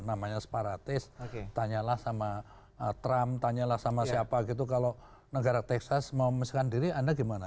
namanya separatis tanyalah sama trump tanyalah sama siapa gitu kalau negara texas mau memisahkan diri anda gimana